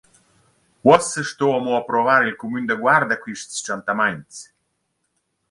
Uossa sto amo approvar il cumün da Guarda quists tschantamaints.